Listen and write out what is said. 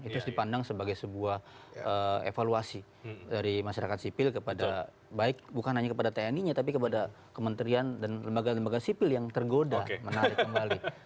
itu harus dipandang sebagai sebuah evaluasi dari masyarakat sipil kepada baik bukan hanya kepada tni nya tapi kepada kementerian dan lembaga lembaga sipil yang tergoda menarik kembali